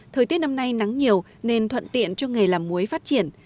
thời tiết năm nay nắng nhiều nên thuận tiện cho nghề làm muối phát triển